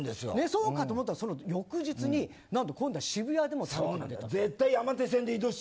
そうかと思ったらその翌日になんと渋谷でも出たんです。